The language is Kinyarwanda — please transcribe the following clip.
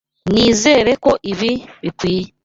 Nizere ko ibi bikwiye.